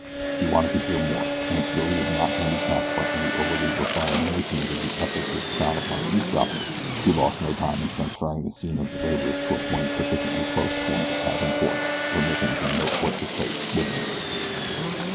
He wanted to hear more, and as Billy was not handicapped by any overly refined notions of the ethics which frown upon eavesdropping he lost no time in transferring the scene of his labors to a point sufficiently close to one of the cabin ports to permit him to note what took place within.